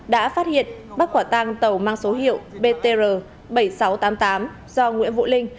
đã phát hiện bắt quả tăng tàu mang số hiệu btr bảy nghìn sáu trăm tám mươi tám do nguyễn vũ linh